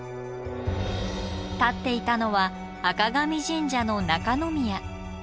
立っていたのは赤神神社の中の宮。